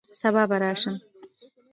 سبا به راشم